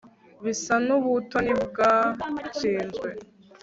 Bisa nubutoni bwatsinzwe